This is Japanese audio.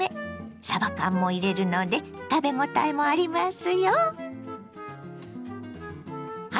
さば缶も入れるので食べごたえもありますよ。